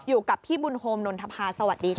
อยู่กับพี่บุญโฮมนนทภาสวัสดีค่ะ